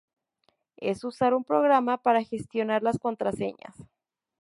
es usar un programa para gestionar las contraseñas